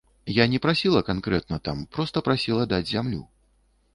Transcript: Я не прасіла канкрэтна там, проста прасіла даць зямлю.